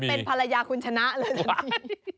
อยากให้มาเป็นภรรยาคุณชนะเลยสักที